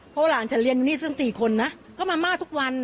เพราะหลานฉันเรียนอยู่นี่ซึ่ง๔คนนะก็มาม่าทุกวัน